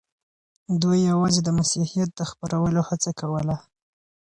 دوی یوازې د مسیحیت د خپرولو هڅه کوله.